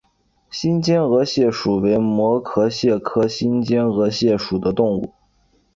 新尖额蟹属为膜壳蟹科新尖额蟹属的动物。